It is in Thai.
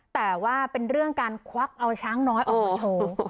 แต่ว่าเป็นเรื่องการควักเอาช้างน้อยออกมาโชว์